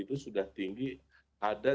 itu sudah tinggi ada